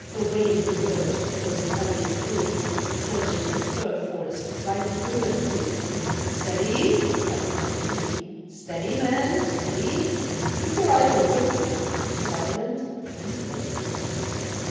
Away at the word goes the valiant crew, Searching the fir forest right through and through: "Steady!" cries Captain T , "steady, men, steady! Keep your eyes open be silent and ready."